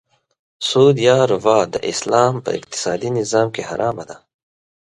سود یا ربا د اسلام په اقتصادې نظام کې حرامه ده .